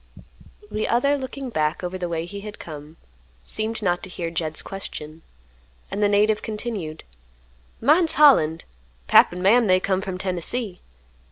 The other, looking back over the way he had come, seemed not to hear Jed's question, and the native continued, "Mine's Holland. Pap an' Mam they come from Tennessee.